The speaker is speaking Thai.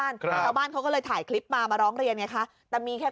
เรื่องขี่ไม่ต้องพูดถึงเถอะ